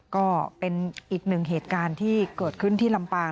ก็เป็นอีกหนึ่งเหตุการณ์ที่เกิดขึ้นที่ลำปาง